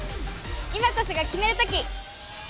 今こそがキメる時！